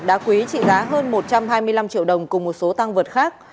đá quý trị giá hơn một trăm hai mươi năm triệu đồng cùng một số tăng vật khác